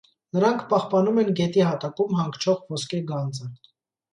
Նրանք պահպանում են գետի հատակում հանգչող ոսկե գանձը։